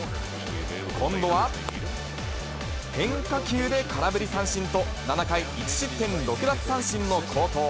今度は、変化球で空振り三振と、７回１失点６奪三振の好投。